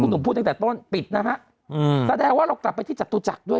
หนุ่มพูดตั้งแต่ต้นปิดนะฮะอืมแสดงว่าเรากลับไปที่จตุจักรด้วย